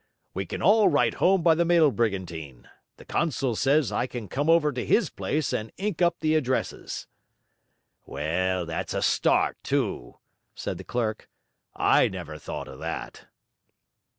'We can all write home by the mail brigantine; the consul says I can come over to his place and ink up the addresses.' 'Well, that's a start, too,' said the clerk. 'I never thought of that.'